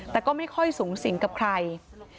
แต่ก็ไม่ค่อยสูงสิงกับใคร